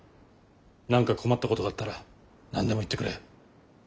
何か困ったことがあったら何でも言ってくれ。